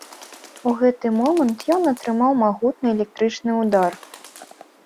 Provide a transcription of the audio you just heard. У гэты момант ён атрымаў магутны электрычны ўдар.